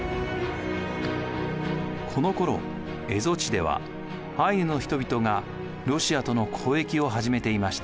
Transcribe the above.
蝦夷地ではアイヌの人々がロシアとの交易を始めていました。